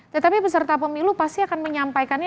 tetapi peserta pemilu pasti akan menyampaikannya